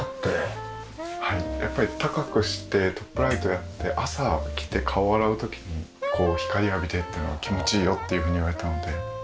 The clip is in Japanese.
はいやっぱり高くしてトップライトやって朝起きて顔を洗う時に光を浴びてっていうのは気持ちいいよっていうふうに言われたので。